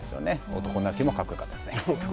男泣きも格好よかったですね。